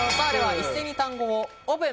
一斉に単語をオープン！